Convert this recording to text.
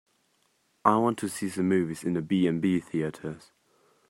i want to see some movies in a B&B Theatres